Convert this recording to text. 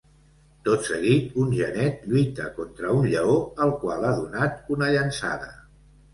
Tot seguit, un genet lluita contra un lleó al qual ha donat una llançada.